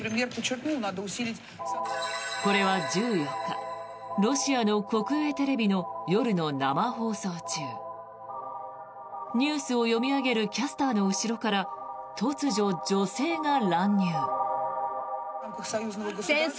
これは１４日ロシアの国営テレビの夜の生放送中ニュースを読み上げるキャスターの後ろから突如、女性が乱入。